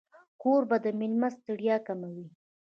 کوربه د مېلمه ستړیا کموي.